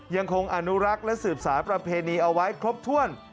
ยังคงอนุรักษ์และสืบสารประเพณีเอาไว้ครบถ้วน